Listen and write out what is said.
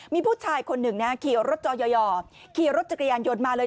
มีผู้ชายคนหนึ่งนะขี่รถจอยอขี่รถจักรยานยนต์มาเลย